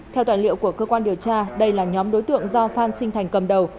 theo tài liệu của cơ quan điều tra đây là nhóm đối tượng do phan sinh thành cầm đầu